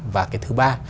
và cái thứ ba